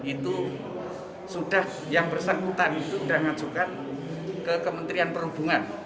itu sudah yang bersangkutan itu sudah ngajukan ke kementerian perhubungan